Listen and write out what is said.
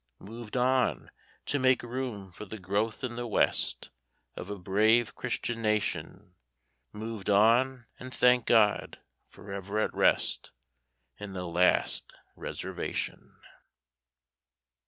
Moved on to make room for the growth in the West Of a brave Christian nation, Moved on and, thank God, forever at rest In the last reservation.